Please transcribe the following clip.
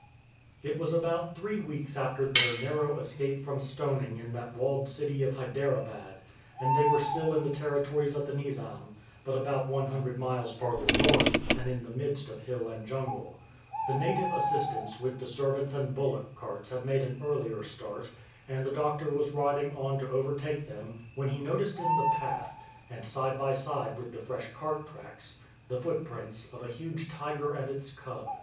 It was about three weeks after their narrow escape from stoning in that walled city of Hyderabad, and they were still in the territories of the Nizam, but about one hundred miles farther north and in the midst of hill and jungle. The native assistants with the servants and bullock carts had made an earlier start, and the doctor was riding on to overtake them when he noticed in the path, and side by side with the fresh cart tracks, the footprints of a huge tiger and its cub.